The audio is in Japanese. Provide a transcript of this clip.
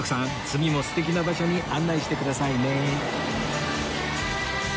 次も素敵な場所に案内してくださいね